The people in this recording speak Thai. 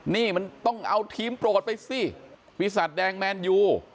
นี่มันต้องเอาทีมโปรดไปสิวิสัตว์แดงแมนอยู่